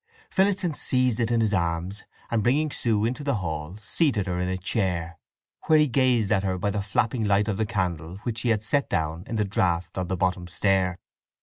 Phillotson seized it in his arms, and bringing Sue into the hall seated her on a chair, where he gazed at her by the flapping light of the candle which he had set down in the draught on the bottom stair.